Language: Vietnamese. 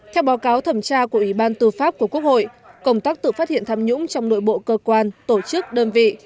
theo báo cáo thẩm tra của ủy ban tư pháp của quốc hội công tác tự phát hiện tham nhũng trong nội bộ cơ quan tổ chức đơn vị